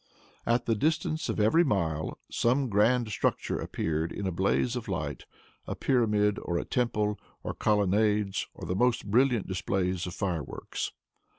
At the distance of every mile, some grand structure appeared in a blaze of light, a pyramid, or a temple, or colonnades, or the most brilliant displays of fireworks.